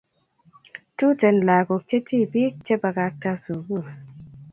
Tuten lakok che tipik che pakakta sukul